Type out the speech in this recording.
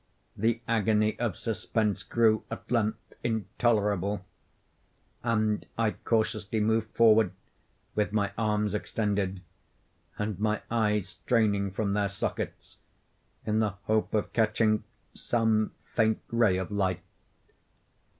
The agony of suspense grew at length intolerable, and I cautiously moved forward, with my arms extended, and my eyes straining from their sockets, in the hope of catching some faint ray of light.